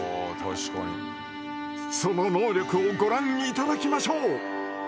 その能力をご覧頂きましょう。